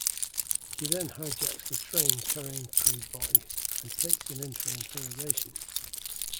He then hijacks the train carrying Priboi and takes him in for interrogation.